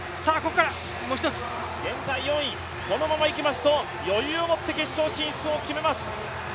現在４位、このままいきますと余裕を持って決勝進出を決めます。